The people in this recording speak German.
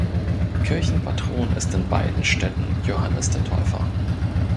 Kirchenpatron ist in beiden Städten Johannes der Täufer.